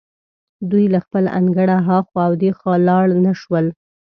دوی له خپل انګړه هخوا او دېخوا لاړ نه شول.